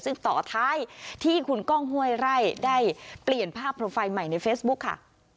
ซึ่งต่อท้ายที่คุณก้องห้วยไร่ได้เปลี่ยนภาพโปรไฟล์ใหม่ในเฟซบุ๊คค่ะ